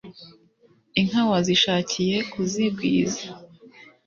inka wazishakiye kuzigwiza.